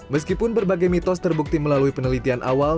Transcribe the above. meskipun berbagai mitos terbukti melalui penelitian awal